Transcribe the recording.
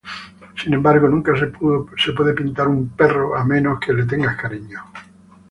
Sin embargo, nunca se puede pintar un perro a menos que le tengas cariño.